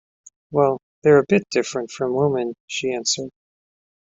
“Well, they’re a bit different from women,” she answered.